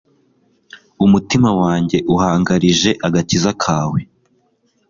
umutima wanjye uhangarije agakiza kawe